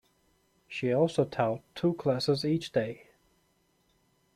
She also taught two classes each day.